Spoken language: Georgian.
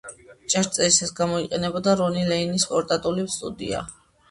ჩაწერისას გამოიყენებოდა რონი ლეინის პორტატული სტუდია.